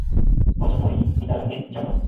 Bonzo Morelli: Guitarra en "Charlone".